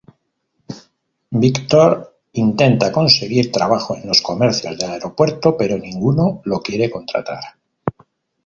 Viktor intenta conseguir trabajo en los comercios del aeropuerto, pero ninguno lo quiere contratar.